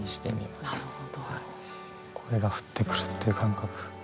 「声が降ってくる」っていう感覚。